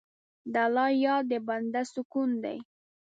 د الله یاد د بنده سکون دی.